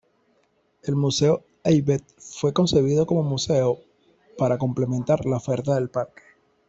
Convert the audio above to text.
El museo Abbe fue concebido como museo para complementar la oferta del parque.